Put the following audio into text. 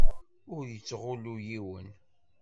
Ur yettɣullu yiwen.